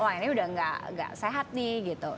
wah ini udah gak sehat nih gitu